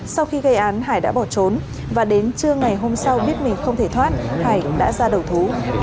sau khi gây án hải đã bỏ trốn và đến trưa ngày hôm sau biết mình không thể thoát hải đã ra đầu thú